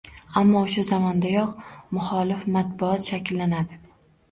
Ammo o‘sha zamondayoq muxolif matbuot shakllanadi.